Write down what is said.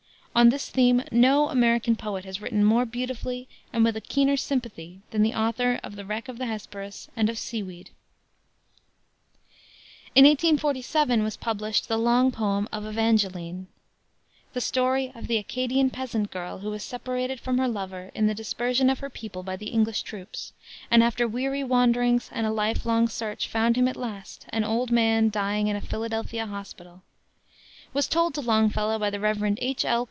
On this theme no American poet has written more beautifully and with a keener sympathy than the author of the Wreck of the Hesperus and of Seaweed. In 1847 was published the long poem of Evangeline. The story of the Acadian peasant girl, who was separated from her lover in the dispersion of her people by the English troops, and after weary wanderings and a life long search found him at last, an old man dying in a Philadelphia hospital, was told to Longfellow by the Rev. H. L.